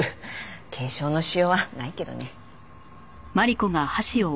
検証のしようはないけどね。